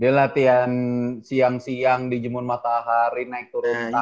dia latihan siang siang di jemun matahari naik turun